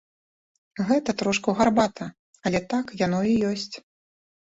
Гэта трошку гарбата, але так яно і ёсць.